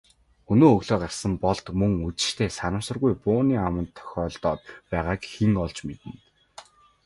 Өнөө өглөө гарсан Болд мөн үдэштээ санамсаргүй бууны аманд тохиолдоод байгааг хэн олж мэднэ.